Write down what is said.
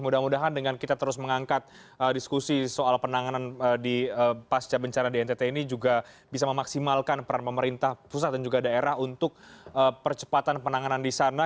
mudah mudahan dengan kita terus mengangkat diskusi soal penanganan di pasca bencana di ntt ini juga bisa memaksimalkan peran pemerintah pusat dan juga daerah untuk percepatan penanganan di sana